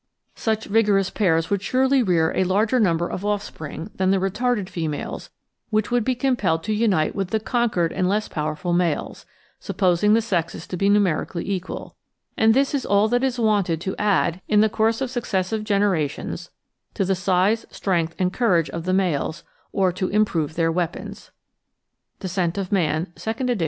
Such vigorous pairs would surely How Darwinism Stands To*Day 387 rear a larger number of offspring than the retarded females, which would be compelled to unite with the conquered and less powerful males, supposing the sexes to be numerically equal; and this is all that is wanted to add, in the course of successive generations, to the size, strength, and coiu*age of the males, or to improve their weapons" {Descent of Man, 2nd ed.